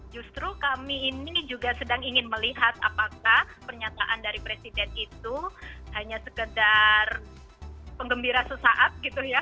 justru kami ini juga sedang ingin melihat apakah pernyataan dari presiden itu hanya sekedar penggembira sesaat gitu ya